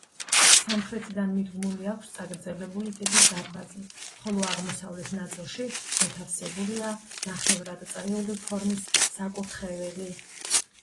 სამხრეთიდან მიდგმული აქვს წაგრძელებული ტიპის დარბაზი, ხოლო აღმოსავლეთ ნაწილში მოთავსებულია ნახევარწრიული ფორმის საკურთხეველი.